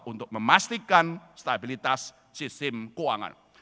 untuk memastikan stabilitas sistem keuangan